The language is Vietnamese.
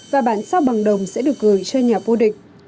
và bản sao bằng đồng sẽ được gửi cho nhà vô địch